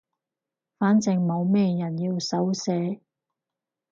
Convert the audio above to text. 反正冇咩人要手寫